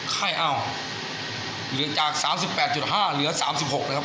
ไข้เอ้าเหลือจากสามสิบแปดจุดห้าเหลือสามสิบหกนะครับ